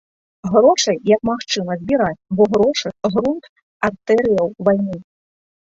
Грошай, як магчыма, збіраць, бо грошы грунт артэрыяю вайны.